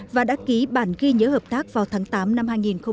và đã ký bản ghi nhớ hợp tác vào tháng tám năm hai nghìn hai mươi ba